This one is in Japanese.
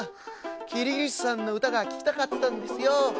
キリギリスさんのうたがききたかったんですよ。